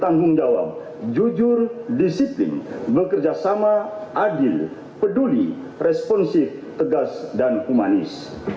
tandung jawab jujur disiplin bekerjasama adil peduli responsif tegas dan humanis